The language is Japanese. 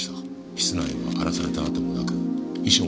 室内は荒らされた跡もなく遺書も見つかりました。